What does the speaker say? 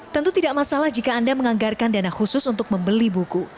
tentu tidak masalah jika anda menganggarkan dana khusus untuk membeli buku